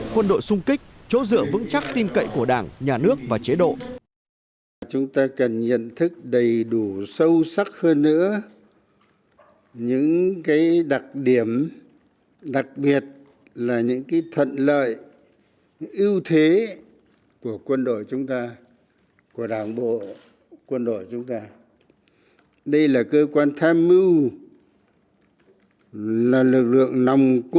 quân đội xung kích chỗ dựa vững chắc tin cậy của đảng nhà nước và chế độ